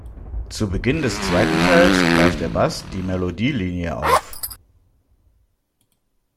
Zu Beginn des zweiten Teils greift der Bass die Melodielinie auf.